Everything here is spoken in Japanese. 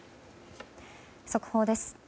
速報です。